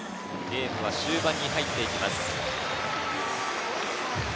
ゲームは終盤に入っていきます。